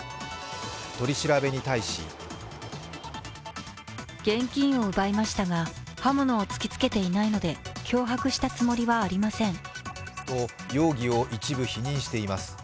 取り調べに対しと、容疑を一部否認しています。